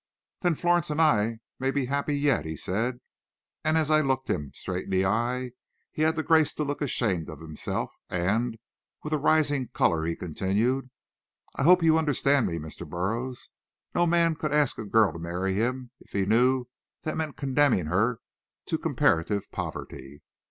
"Then Florence and I may be happy yet," he said; and as I looked him straight in the eye, he had the grace to look ashamed of himself, and, with a rising color, he continued: "I hope you understand me, Mr. Burroughs. No man could ask a girl to marry him if he knew that meant condemning her to comparative poverty."